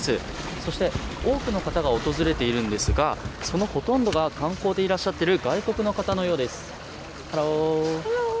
そして、多くの方が訪れているんですがそのほとんどが観光でいらっしゃっている外国の方のようです。